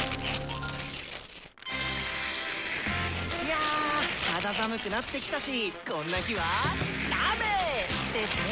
や肌寒くなってきたしこんな日は鍋！ですね。